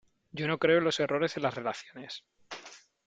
yo no creo en los errores en las relaciones .